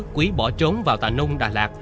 quý bỏ trốn vào tà nung đà lạt